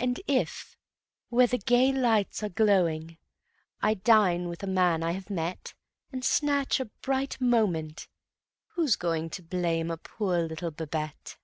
And if, where the gay lights are glowing, I dine with a man I have met, And snatch a bright moment who's going To blame a poor little Babette?